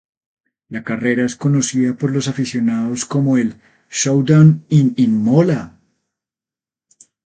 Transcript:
La carrera es conocida por los aficionados como el "Showdown in Imola".